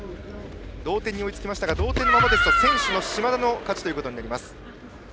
同点に追いつきましたが同点のままですと先取の嶋田の勝ちとなります。